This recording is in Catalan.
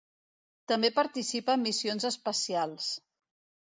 També participa en missions espacials.